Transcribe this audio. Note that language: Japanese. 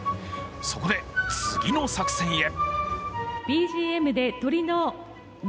そこで次の作戦へ。